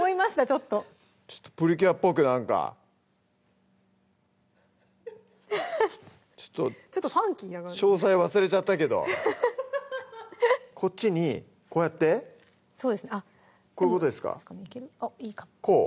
ちょっとちょっとプリキュアっぽくなんかちょっと詳細忘れちゃったけどこっちにこうやってこういうことですかこう？